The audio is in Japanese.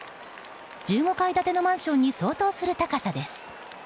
１５階建てのマンションに相当する高さです。